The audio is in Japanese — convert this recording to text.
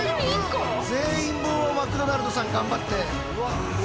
全員分をマクドナルドさん頑張って。